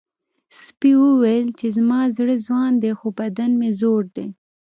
سپي وویل چې زما زړه ځوان دی خو بدن مې زوړ دی.